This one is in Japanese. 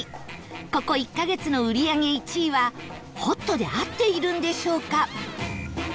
ここ１カ月の売り上げ１位はホットで合っているんでしょうか？